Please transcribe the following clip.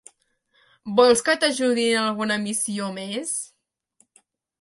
Vols que t'ajudi en alguna missió més?